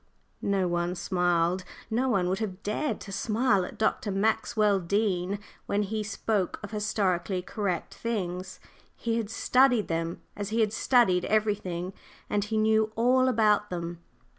No one smiled. No one would have dared to smile at Dr. Maxwell Dean when he spoke of "historically correct" things. He had studied them as he had studied everything, and he knew all about them.